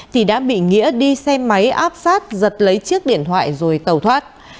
thì đã bị nghĩa đi xe máy áp sát giật lấy chiếc điện thoại rồi tàu thoát